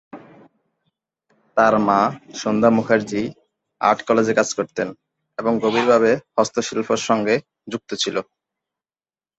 তার মা, সন্ধ্যা মুখার্জী সরকারি আর্ট কলেজে কাজ করতেন এবং গভীর ভাবে হস্তশিল্প সঙ্গে যুক্ত ছিল।